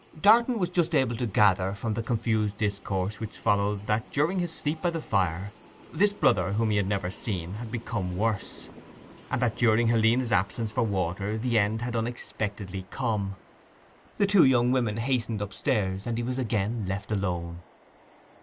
Darton was just able to gather from the confused discourse which followed that, during his sleep by the fire, this brother whom he had never seen had become worse; and that during Helena's absence for water the end had unexpectedly come. The two young women hastened upstairs, and he was again left alone.